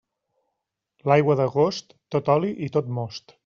L'aigua d'agost, tot oli i tot most.